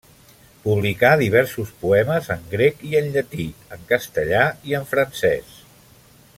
Publicà diversos poemes en grec i en llatí, en castellà i en francès.